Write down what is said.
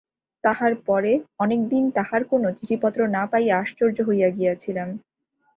তাহার পরে অনেক দিন তাহার কোনো চিঠিপত্র না পাইয়া আশ্চর্য হইয়া গিয়াছিলাম।